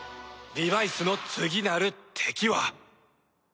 リバイスの次なる敵は